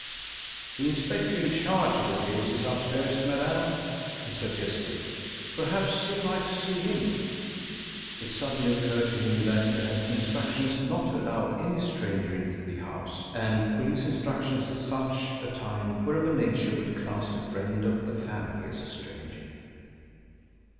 "The inspector in charge of the case is upstairs, madam," he suggested. "Perhaps you'd like to see him." It suddenly occurred to him that he had instructions not to allow any stranger into the house, and police instructions at such a time were of a nature which classed a friend of the family as a stranger.